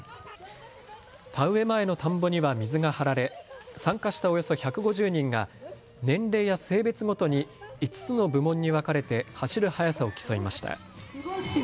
田植え前の田んぼには水が張られ参加したおよそ１５０人が年齢や性別ごとに５つの部門に分かれて走る速さを競いました。